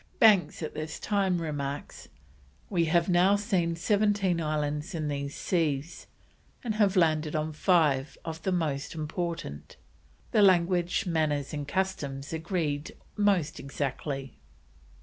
Banks at this time remarks, "we have now seen 17 islands in these seas, and have landed on five of the most important; the language, manners and customs agreed most exactly."